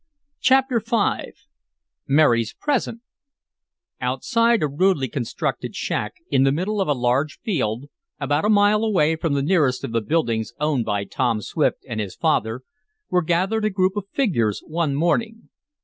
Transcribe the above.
Chapter V Mary's Present Outside a rudely constructed shack, in the middle of a large field, about a mile away from the nearest of the buildings owned by Tom Swift and his father, were gathered a group of figures one morning.